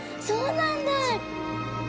そうなんだ。